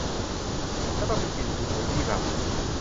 และต้องมีกลิ่นฉุนของยี่หร่า